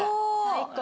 最高。